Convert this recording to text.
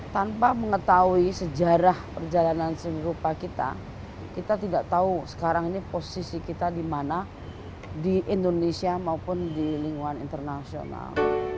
tanpa mengetahui sejarah perjalanan seni rupa kita kita tidak tahu sekarang ini posisi kita di mana di indonesia maupun di lingkungan internasional